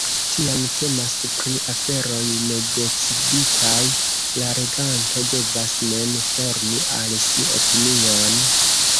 Tiam temas pri aferoj nedeciditaj: la leganto devas mem formi al si opinion.